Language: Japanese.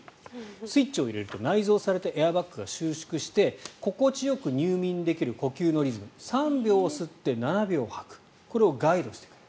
スイッチを入れると内蔵されたエアバッグが収縮して心地よく入眠できる呼吸のリズム３秒吸って７秒吐くこれをガイドしてくれる。